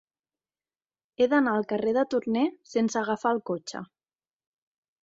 He d'anar al carrer de Torné sense agafar el cotxe.